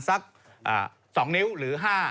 สักสองนิ้วหรือห้า